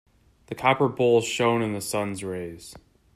The copper bowl shone in the sun's rays.